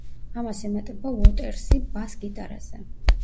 ამას ემატება უოტერსი ბას-გიტარაზე.